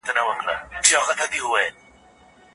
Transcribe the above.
څېړونکی باید په خپله پوهه تکیه وکړي.